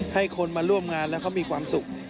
ให้คนมาร่วมงานแล้วเขามีความสุข